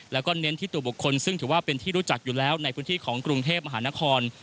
แล้วก็เน้นที่ตัวบุคคลซึ่งถือว่าเป็นที่รู้จักอยู่แล้วในพื้นที่ของกรุงเทพมหานคร